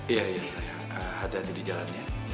iya iya sayang hati hati di jalannya